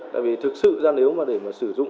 tại vì thực sự nếu mà để sử dụng